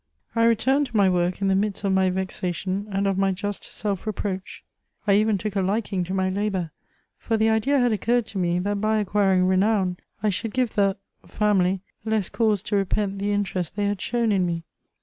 I returned to my work in the midst of my vexation and of my just self reproach. I even took a liking to my lahour, for the idea had occurred to me, that hy acquiring renown, I should fpve the family less cause to repent the interest they had shown in me.